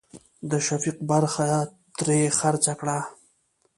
د شفيق برخه ترې خرڅه کړه.